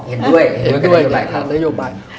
เห็นด้วยนโยบาย